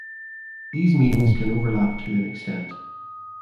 These meanings can overlap to an extent.